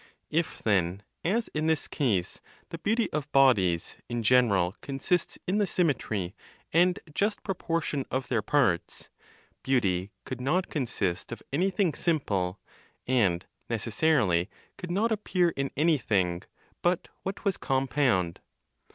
If then, as in this case, the beauty of bodies in general consists in the symmetry and just proportion of their parts, beauty could not consist of anything simple, and necessarily could not appear in anything but what was compound.